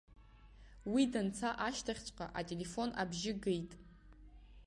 Уи данца ашьҭахьҵәҟьа, ателефон абжьы геит.